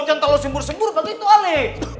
jangan lo sembur sembur pakai itu alih